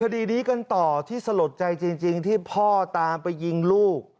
คดีนี้กันต่อที่สลดใจจริงที่พ่อตามไปยิงลูก